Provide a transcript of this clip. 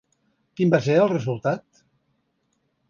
Quin va ser el resultat?